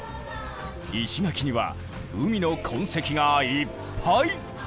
石垣には海の痕跡がいっぱい！